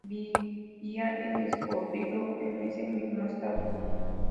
Vivía en Escondido, en ese mismo estado.